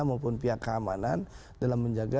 maupun pihak keamanan dalam menjaga